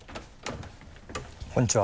こんにちは。